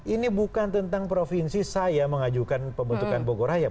ini bukan tentang provinsi saya mengajukan pembentukan bogor hayap